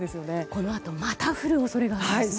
このあとまた降る恐れがあるんですね。